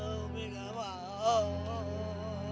umi gak mau amin umi malu